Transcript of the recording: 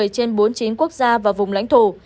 trên bốn mươi chín quốc gia và vùng lãnh thổ